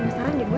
masalah deh gue